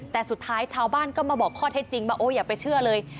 แต่สุดท้ายชาวบ้านก็มาบอกข้อเท็จจริงว่าโอ้อย่าไปเชื่อเลย